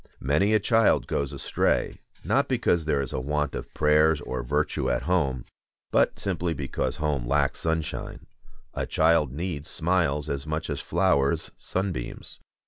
Many a child goes astray, not because there is a want of prayers or virtue at home, but simply because home lacks sunshine. A child needs smiles as much as flowers sunbeams.